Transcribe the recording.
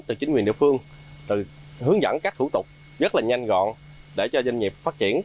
từ chính quyền địa phương từ hướng dẫn các thủ tục rất là nhanh gọn để cho doanh nghiệp phát triển